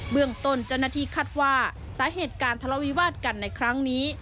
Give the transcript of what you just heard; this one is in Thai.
เบื้องต้นจนนาทีคัดว่าสาเหตุการณ์ทะเลาวิวาดกันในครั้งนี้